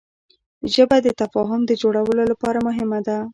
ژبه د تفاهم د جوړولو لپاره مهمه ده